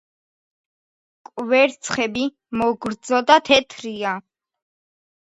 კვერცხები მოგრძო და თეთრია.